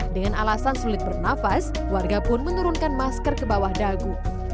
dengan alasan sulit bernafas warga pun menurunkan masker ke bawah dagu